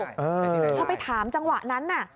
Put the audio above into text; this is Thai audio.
เธอไปถามจังหวะนั้นน่ะ